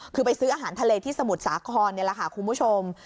คือไปซื้ออาหารทะเลที่สมุทรสาครคุณผู้ชม